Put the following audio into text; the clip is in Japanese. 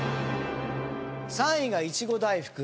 ３位がいちご大福。